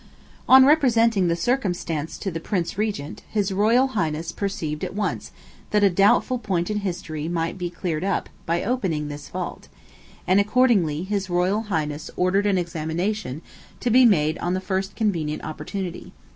"On representing the circumstance to the Prince Regent, his Royal Highness perceived at once that a doubtful point in history might be cleared up by opening this vault; and, accordingly, his Royal Highness ordered an examination to be made on the first convenient opportunity.